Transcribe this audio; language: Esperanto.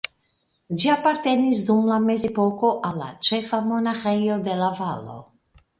Ĝi apartenis dum la Mezepoko al la ĉefa monaĥejo de la valo.